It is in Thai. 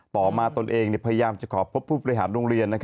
ต่อมาตนเองพยายามจะขอพบผู้บริหารโรงเรียน